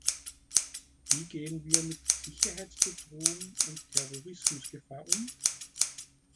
Wie gehen wir mit Sicherheitsbedrohungen und Terrorismusgefahr um?